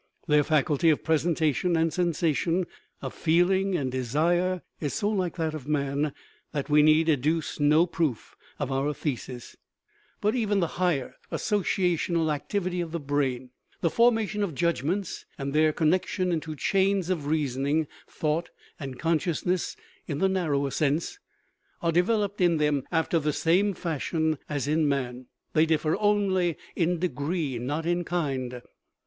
Their faculty of presentation and sensation, of feeling and desire, is so like that of man that we need adduce no proof of our thesis. But even CONSCIOUSNESS the higher associational activity of the brain, the for mation of judgments and their connection into chains of reasoning, thought, and consciousness in the nar rower sense, are developed in them after the same fash ion as in man : they differ only in degree, not in kind.